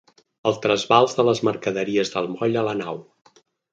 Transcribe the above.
El trasbals de les mercaderies del moll a la nau.